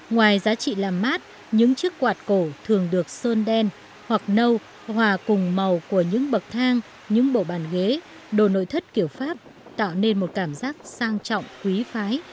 ngoài giá trị làm mát những chiếc quạt cổ thường được sơn đen hoặc nâu hòa cùng màu của những bậc thang những bộ bàn ghế đồ nội thất kiểu pháp tạo nên một cảm giác sang trọng quý phái